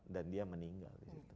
dan dia meninggal